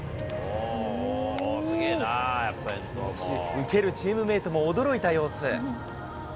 受けるチームメートも驚いた様子。